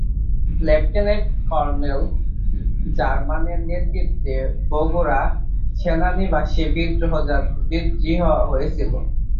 Lieutenant colonel জামানের নেতৃত্বে বগুড়া সেনানিবাসে বিদ্রোহ হয়েছিল।